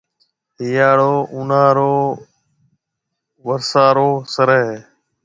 ھيَََاݪو، اُوناݪو، ورھاݪو، سرءِ ھيََََ